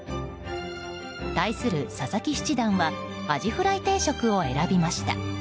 対する佐々木七段はアジフライ定食を選びました。